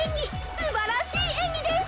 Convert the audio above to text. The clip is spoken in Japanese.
すばらしいえんぎです。